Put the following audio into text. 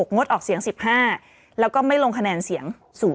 งดออกเสียง๑๕แล้วก็ไม่ลงคะแนนเสียง๐